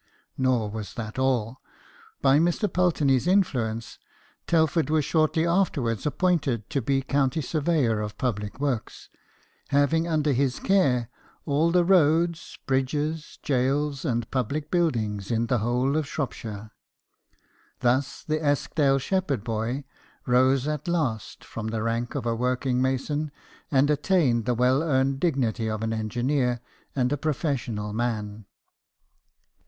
Nor was that all : by Mr. Pulteney 's influence, Telford was shortly afterwards ap pointed to be county surveyor of public works, having under his care all the roads, bridges, gaols, and public buildings in the whole of Shropshire. Thus the Eskdale shepherd boy rose at last from the rank of a working mason, and attained the well earned dignity of an engineer and a professional man.